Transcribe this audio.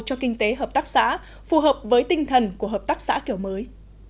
cho kinh tế hợp tác xã phù hợp với tinh thần của hợp tác xã kiểu mới